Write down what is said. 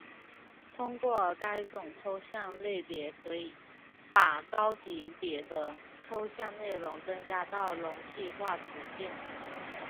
通过该种抽象类别可以把更高级别的抽象内容增加到容器化组件。